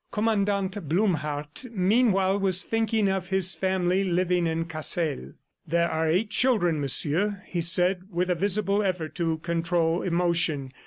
Commandant Blumhardt, meanwhile, was thinking of his family living in Cassel. "There are eight children, Monsieur," he said with a visible effort to control emotion.